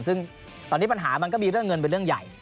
ซึ่งตอนนี้ปัญหามันก็มีเรื่องเงินเป็นเรื่องใหญ่